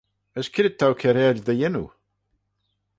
As c'red t'ou kiarail dy yannoo?